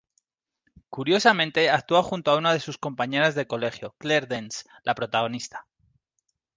Curiosamente, actúa junto a una de sus compañeras de colegio Claire Danes, la protagonista.